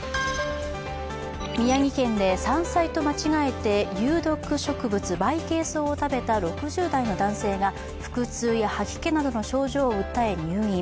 宮城県で山菜と間違えて有毒植物バイケイソウを食べた６０代の男性が腹痛や吐き気などの症状を訴え入院。